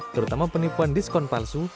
terutama penipuan diskon palsu